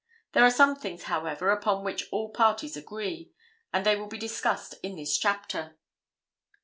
There are some things however upon which all parties agree, and they will be discussed in this chapter.